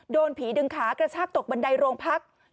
โดนผีดึงขากระชากตกบันไดโรงพัก